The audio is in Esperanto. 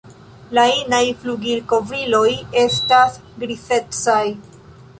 La inaj flugilkovriloj estas grizecaj.